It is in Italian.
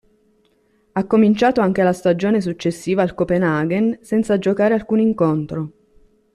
Ha cominciato anche la stagione successiva al Copenaghen, senza giocare alcun incontro.